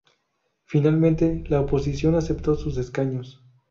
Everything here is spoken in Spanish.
Finalmente, la oposición aceptó sus escaños.